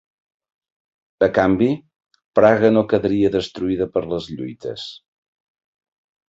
A canvi, Praga no quedaria destruïda per les lluites.